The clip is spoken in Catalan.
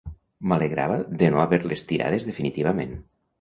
M'alegrava de no haver-les tirades definitivament.